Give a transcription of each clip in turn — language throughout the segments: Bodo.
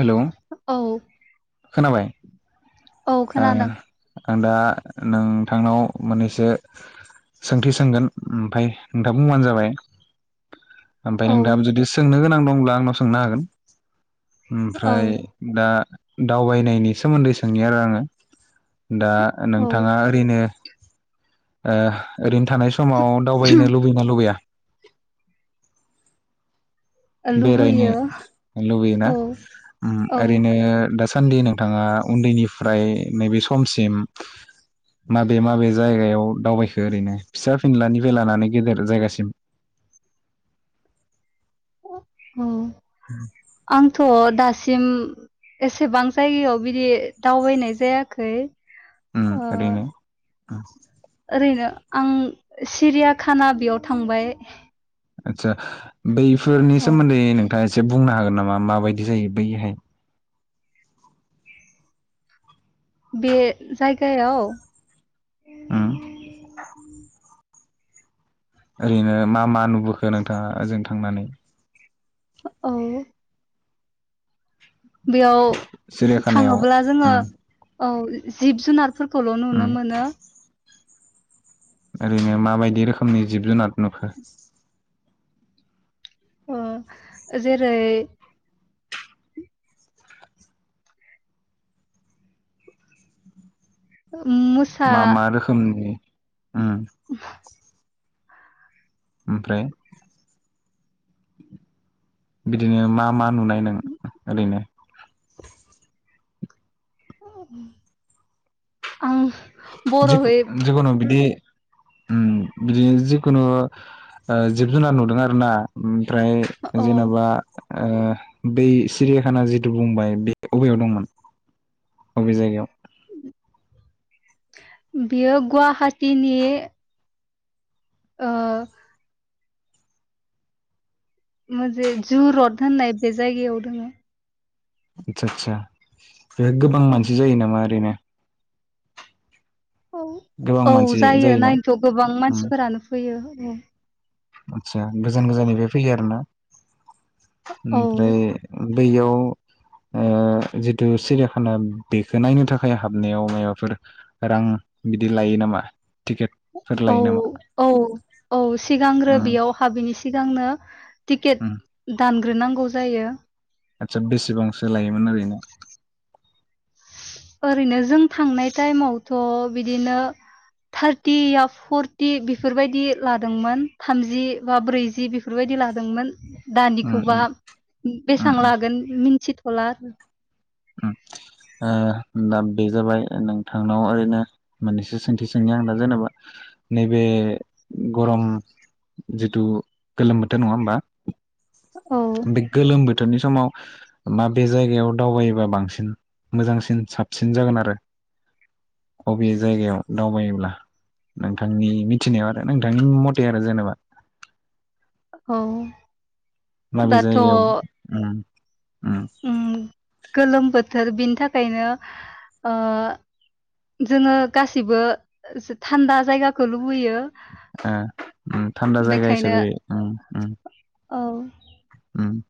हेलौ औ खोनाबाय? औ ओ खोनादों आं दा नोंथांनाव मोननैसो सोंथि सोंगोन ओमफाय नोंथाङा बुंबानो जाबाय आमफाय औ नोंथाङा जुदि सोंनो गोनां दं दंला आंनाव सोंनो हागोन औ ओमफ्राय दा दावबायनायनि सोमोन्दै सोंनि आरो आङो [inaudible] दा औ नोंथाङा ओरैनो ओ ओरैन थानाय समाव दावबायनो लुबैयो ना लुबैया? बेरायनो लुबैयो लुबैयोना औ ओम औ ओरैनो दासा सानदि नोंथाङा उन्दैनिफ्राय नैबे समसिम, माबे माबे जायगायाव दावबायखो ओरैनो फिसा फिनलानि निफायलानानै गेदेर जायगासिम। औ। आंथ दासि- सिम एसेबां जायगायाव बिदि दावबायनाय जायाखै। उम ओ। ओरैनो [inaudible] ओरैनो आं सिरियाखाना बेयाव थांबाय। आतसा बेै फोरनि औ सोमोन्दै नो। दा एसे बुंनो हागोन नामा माबायदि जायो बैहाय। बे जायगायाव? उम। ओरैनो मा मा नुबोखो नोंथाङा? ओजों थांनानै। औ। बेयाव सिरियाखानायाव थाङोब्ला जोङो। उम औ जिब जुनार फोरखौल उम नुनो मोनो। ओरैनो माबायदि रोखोमनि जिब जुनार नुखो? अ जेरै उ मोसा। मा मा रोखोमनि उम [unintelligible] ओमफ्राय बिदिनो मा। मा नुनाय नों ओरैनो। आं जि बर'यै जखुनु बिदि ओम बिदिनो जिखुनु जिब जुनार नुदों आरो ना? ओमफ्राय औ जेनेबा ओ बै सिरियाखाना जिहेथु बुंबाय बे बबेयाव दंमोन? अबि जायगायाव बियो गुवाहाटीनि। ओ मोनसे जु रड होननाय बे जायगायाव दोङो। आतसा आतसा। बे गोबां औ मानसि जायो नामा ओरैनो? औ गोबां औ मानसि जायो जायोना नायनोथ' गोबां मानसिफोरानो फैयो। उम। आतसा गोजान गोजाननिफ्राय फैयो आरोना? औ ओमफ्राय बैयाव ओ जिहेथु सिरियाखाना बेखौ नायनो थाखाय हाबनायाव मायबाफोर रां बिदि लायो नामा? टिकेटफोर औ लायो नामा औ औ सिगांग्रो उम बेयाव हाबिनि सिगांनो टिकेट उम दान ग्रोनांगौ जायो। आतसा बेसेबांसो लायोमोन ओरैनो? ओरैनो जों थांनाय टाइमावथ' बिदिनो थार्टि बा फर्टि बेफोरबायदि लादोंमोन थामजि बा ब्रैजि बेफोरबायदि लादोंमोन। उम उम दानिखौबा उम बेसेबां उम लागोन मिन्थि थला आरो ओम ओ दा बे जाबाय नोंथांनाव ओरैनो मोननैसो सोंथि सोंनि आं दा जेनेबा नैबे गरम जिथु गोलोम बोथोर नङा होमबा? औ बे गोलोम बोथोरनि समाव मा बे जायगायाव दावबायो बा बांसिन मोजांसिन साबसिन जागोन आरो। [inaudible] अबे जायगायाव दावबायोब्ला नोंथांनि मिथिनायाव आरो नोंथांनि मथे आरो जेनेबा। औ मासे जायगायाव ओम ओम गोलोम बोथोर बिनि थाखायनो ओ जोङो गासिबो थान्दा जायगाखौ लुबैयो आं ओम थान्दा जायगा बेखायनो हिसाबै ओम ओम औ ओम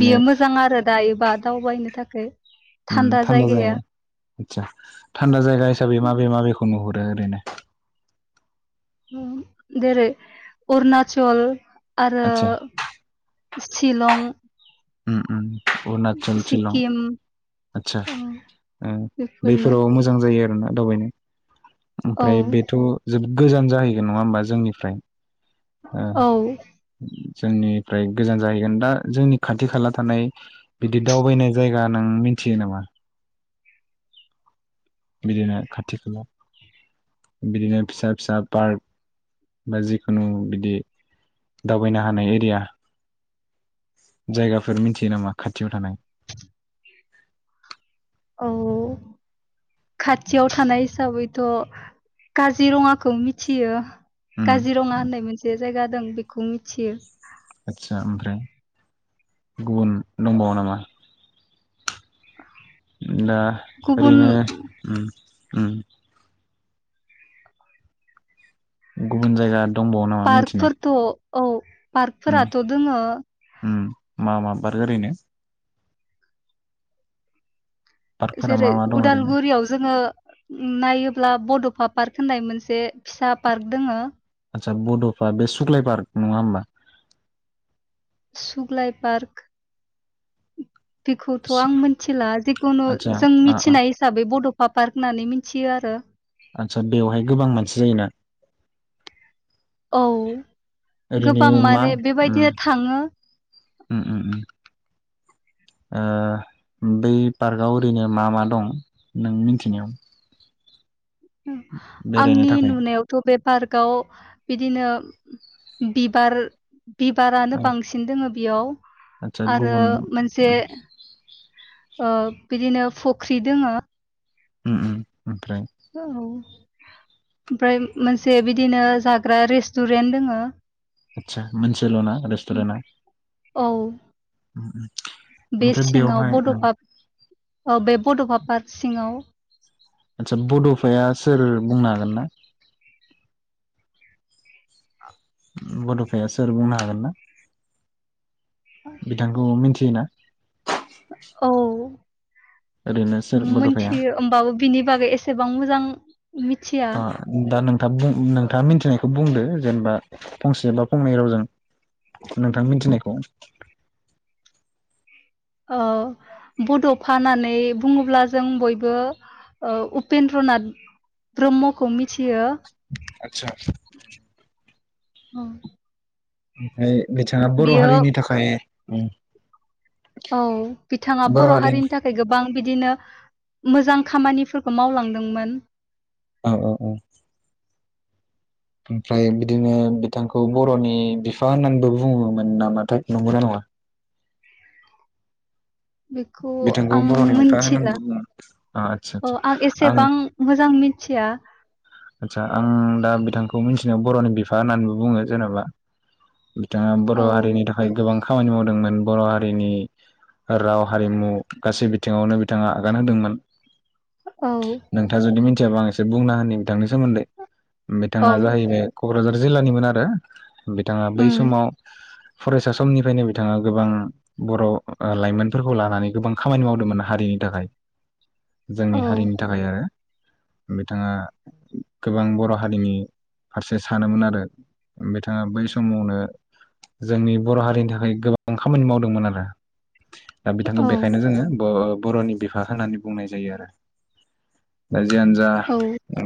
बियो मोजां आरो दायो बा दावबायनो थाखाय थान्दा जायगाया। आतसा थान्दा जाय गा हिसाबै माबे माबे खौ नुहुरो? दो ओरैनो जेरै अरुणाचल आरो आदसा शिलं उम उम अरुणाचल शिलं सिक्किम आचसा औ उम बेफोरनो बेफोराव मोजां जायो दावबायनो औ ओमफ्राय बेथ' जोब गोजान जाहैगोन नङा होमबा जोंनिफ्राय ओ औ जोंनिफ्राय गोजान जाहैगोन दा जोंनि खाथि खाला थानाय बिदि दावबायनाय जायगा नों मिथियो नामा? [inaudible] बिदिनो खाथि खाला, बिदिनो फिसा फिसा पार्क बा जिखुनु बिदि दावबायनो हानाय एरिया जायगाफोर मिनथियो नामा खाथियाव थानाय? औ खाथियाव थानाय हिसाबैथ' काजिरङाखौ मिथियो। उम काजिरङा होननाय मोनसे जायगा दं बेखौ मिथियो आदसा ओमफ्राय गुबुन दंबावो नामा? दा गुबुन ओरैनो ओम गुबुन जायगा दंबावो नामा मिथिनाय बारफोरथ' औ उम पार्कफोराथ' दोङो उम मा मा बार ओरैनो पार्कफोरा जेरै मा मा दं ओरैनो उदालगुरियाव जोङो नायोब ब्ला बड'फा पार्क होननाय मोनसे फिसा पार्क दङो आतसा बड'फा बे सुख्लाय पार्क नङा होमबा? सुग्लाय पार्क बेखौथ' आं मोनथिला जिखुनु जों आदसा मिथिनाय हिसाबै बड' बा पार्क होननानै मिनथियो आरो। आतसा बेवहाय गोबां मानसि जायोना औ ओरैनो गोबां मा माने ओम बेबायदिनो थाङो ओम ओम ओ बै पार्कआव ओरैनो मा मा दं नों मिनथिनायाव आंनि थाखाय नुनायावथ' बे पार्कआव बिदिनो बिबार बिबारानो औ बांसिन दङ। बेयाव आदसा आरो गुबुन मोनसे बिदिनो फख्रि दोङो ओम ओम औ ओमफ्राय मोनसे बिदिनो जाग्रा रेस्टुरेन्ट दङो आतसा मोनसेल' ना रेस्टुरेन्टआ औ बे ओमफ्राय सिङाव बेवहाय ओं बड'फा औ बे बड'फा पार्क सिङाव आतसा बड'फाया सोर बुंनो हागोन ना? बड'फाया सोर बुंनो हागोन ना? बिथांखौ मिनथि मिथियोना? औ। ओरैनो सोर बड'फाया मिथियो ओमबाबो बिनि बागै एसेबां मोजां [inaudible] अ दा नों था बुं नोंथाङा मिथिनायखौ बुंदो जेनेबा फंसेबा फंनै रावजों नोंथां मिथिनायखौ। ओ बड'फा होननानै बुङोब्ला जों बयबो ओ उपेन्द्रनाथ ब्रह्मखौ मिथियो। आतसा। [inaudible] औ। ओमफाय बिथाङा बर' हारिनि थाखाय उम औ बिथाङा बर' हारिनि थाखाय गोबां बिदिनो मोजां खामानिफोरखौ मावलांदोंमोन। औ औ औ। ओमफ्राय बिदिनो बिथांखौ बर'नि बिफा होननानैबो बुङोमोन नामाथाय नंगौना नङा? बेखौ बिथांखौ आं बर'नि बिफा मिथिला होननानैबो बुङो आदसा अ आदसा आं एसेबां मोजां मिन थिया आतसा आं दा बिथांखौ मिथिनायाव बर'नि बिफा होननानैबो बुङो जेन'बा। बिथाङा बर' औ हारिनि थाखाय गोबां खामानि मावदोंमोन बर' हारिनि राव हारिमु गासै बिथिङावनो बिथाङा आगान होदोंमोन। औ नोंथाङा जुदि याबा आं एसे बुंना होनि बिथांनि सोमोन्दै औ बिथाङा जाहैबाय क'क्राझार जिल्लानिमोन आरो बिथाङा बै उम समाव फरायसा समनिफ्रायनो बिथाङा गोबां बर' ओ लाइमोनफोरखौ लानानै गोबां खामानि मावदोंमोन हारिनि थाखाय। जोंनि औ हारिनि थाखाय आरो। बिथाङा गोबां बर' हारिनि फारसे सानोमोन आरो बिथाङा बै समवनो जोंनि बर' हारिनि थाखाय गोबां खामानि मावदोंमोन आरो। ओ बिथांखौ औ बेखायनो जोङो ब' बर'नि बिफा होननानै बुंनाय जायो आरो। दा जियानोजा औ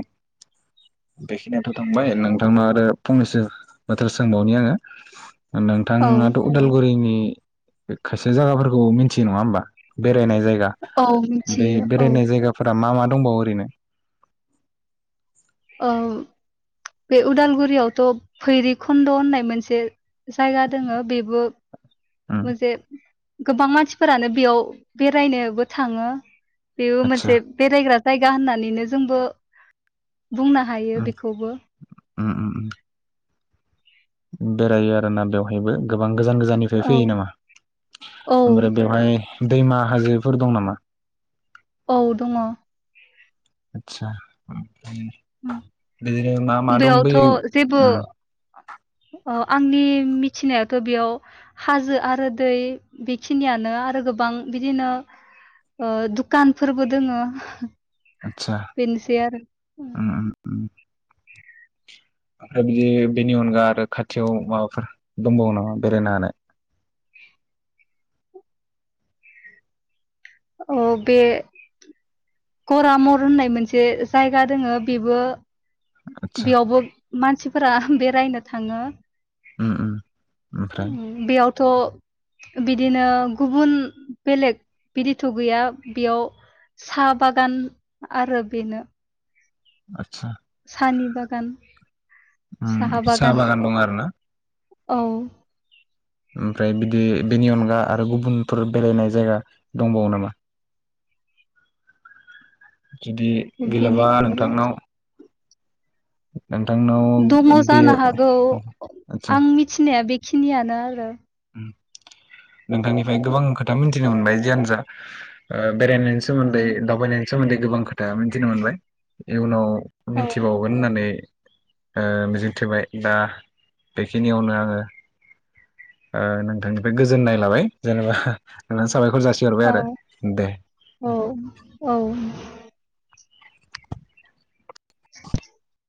बेखिनियाथ' थांबाय नोंथांनाव आरो फंनैसो बाथ्रा सोंबावनि आङो ओ औ नोंथाङाथ' उदालगुरिनि ए बे खायसे जागाफोरखौ मिनथियो नङा होम्बा बे होनाय जायगा औ बे मिथियो औ बेरायनाय जायगाफोरा मा मा? दंबावो ओरैनो ओं बे उदालगुरियावथ' भैरिखुन्द' होननाय मोनसे जायगा दोङो बेबो मोजे गोबां मानसिफोरानो बेयाव बेरायनोबो थाङो। बेबो आतसा मोनसे बेरायग्रा जायगा होननानैनो जोंबो बुंनो हायो उम बेखौबो। उम उम उम उम बेरायो आरोना बेवहायबो गोबां गोजान गोजाननिफ्राय औ फैयो नामा औ ओमफ्राय बेवहाय दैमा हाजोफोर दं नामा? औ दङ। आतसा उम बिदिनो उम। [unintelligible] बिदिनो मा मा दंबोयो बेयावथ' उम अ आंनि मिथिनायाथ' बेयाव हाजो आरो दै बेखिनियानो आरो गोबां बिदिनो ओ दुकानफोरबो दोङो। आतसा बेनोसै आरो उम उम उम ओमफ्राय बियो बेनि अनगा आरो खाथियाव माबाफोर दंबावो नामा बेरायनो हानाय? औ बे करामर होननाय मोनसे जायगा दोङो बेबो आतसा बेयावबो मानसि फोरा बेरायनो थाङो। उम उम उम ओमफ्राय बेयाव थ' बिदिनो गुबुन बेलेग बिदिथ' गैया बेयाव साहा बागान आरो बेनो आस सा साहानि बागान उम साहा बागान दं आरो ना? औ ओमफ्राय बिदि बेनि अनगा आरो गुबुनफोर बेरायनाय जायगा दंबावो नामा? जुदि बेनि गैलाबा अनगा नोंथांनाव नोंथांनाव बे दंङोजानो हागौ आदसा आं मिथिनाया बे खिनियानो आरो उम [unintelligible] नोंथांनिफ्राय गोबां खोथा मिनथि थिना मोनबाय जियानो जा ओ बेरायनायनि सोमोन्दै दावबायनायनि सोमोन्दै गोबां खोथा मिनथिनो मोनबाय इयुनाव औ मिनथिबावगोन होननानै ओ मिजिं थिबाय दा बेखिनियावनो आंङो ओ नोंथांनिफाय गोजोननाय लाबाय जेनेबा ओ ज साबायखर जासिहरबाय औ आरो दे औ औ [inaudible]